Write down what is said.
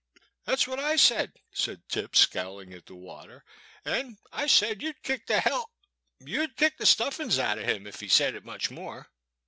"That 's what I said," said Tip, scowling at the water, "and I said you 'd kick the hel — you 'd kick the stuffins outen him if he said it much more.